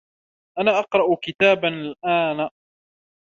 أنا أقرأ كتابا الآن.